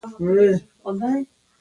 پښتانه یو غریتمند او باتور قوم دی